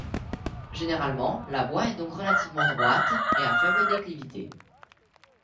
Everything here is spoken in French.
Généralement, la voie est donc relativement droite et à faible déclivité.